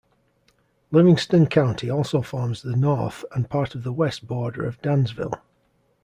Livingston County also forms the north and part of the west border of Dansville.